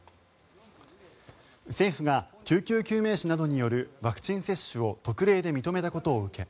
政府が救急救命士などによるワクチン接種を特例で認めたことを受け